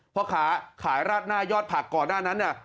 เพราะขาขายราดหน้ายอดผักก่อนหน้านั้นเนี่ย